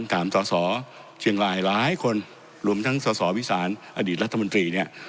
ถามสอสอเชียงรายหลายคนรวมทั้งสสวิสานอดีตรัฐมนตรีเนี่ย